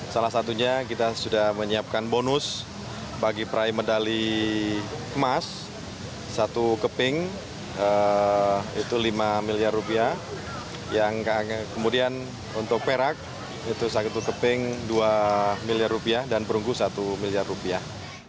salah satunya kita sudah menyiapkan bonus bagi peraih medali emas satu keping itu lima miliar rupiah yang kemudian untuk perak itu satu keping dua miliar rupiah dan perunggu satu miliar rupiah